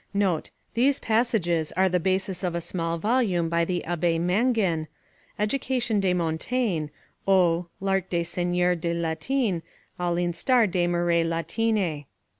[These passages are, the basis of a small volume by the Abbe Mangin: "Education de Montaigne; ou, L'Art d'enseigner le Latin a l'instar des meres latines."